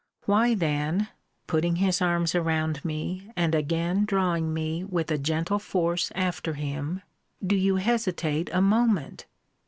Why then, putting his arms around me, and again drawing me with a gentle force after him, do you hesitate a moment?